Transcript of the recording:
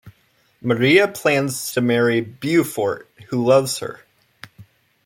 Maria plans to marry Beaufort, who loves her.